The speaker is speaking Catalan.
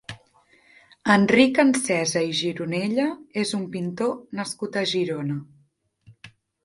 Enric Ansesa i Gironella és un pintor nascut a Girona.